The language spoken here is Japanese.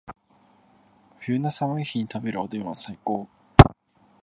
冬の寒い日に食べるおでんは最高